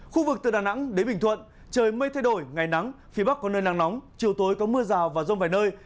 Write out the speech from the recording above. khu vực từ đà nẵng đến bình thuận trời mây thay đổi ngày nắng phía bắc có nơi nắng nóng chiều tối có mưa rào và rông vài nơi